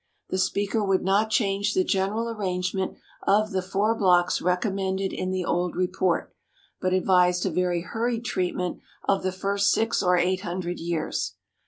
The speaker would not change the general arrangement of the four blocks recommended in the old report, but advised a very hurried treatment of the first six or eight hundred years.